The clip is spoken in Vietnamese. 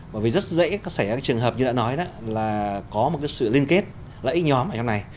bởi vì rất dễ có xảy ra cái trường hợp như đã nói đó là có một cái sự liên kết lẫy nhóm ở trong này